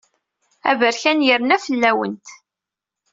Aberkan yerna fell-awent.